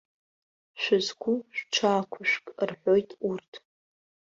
Шәызқәу шәҽаақәышәк, рҳәоит урҭ.